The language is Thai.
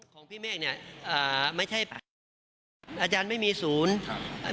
ของพี่เมฆเนี่ยอ่าไม่ใช่ป่าอาจารย์ไม่มีศูนย์ครับอ่า